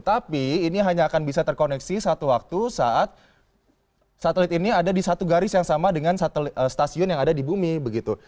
tapi ini hanya akan bisa terkoneksi satu waktu saat satelit ini ada di satu garis yang sama dengan stasiun yang ada di bumi begitu